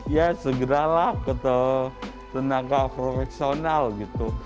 ya segeralah ke tenaga profesional gitu